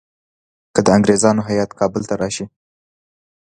که د انګریزانو هیات کابل ته راشي.